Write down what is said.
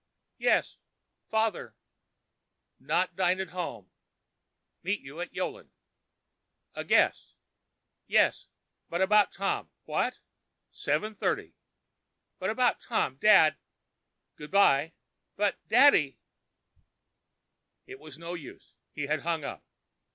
"Yes—father—not dine at home—meet you at the Yolland—a guest. Yes—but about Tom—what?—7:30—But about Tom, daddy? Good by?!! But, daddy!!!" It was no use. He had hung up.